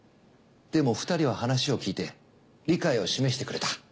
でも２人は話を聞いて理解を示してくれた。